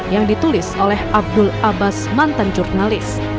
yang ditulis oleh abdul abbas mantan jurnalis